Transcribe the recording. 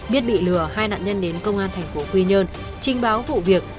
biết bị lừa hai nạn nhân đến công an tp quy nhơn trình báo vụ việc